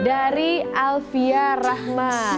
dari alvia rahma